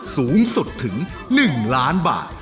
สูงสุดถึง๑ล้านบาท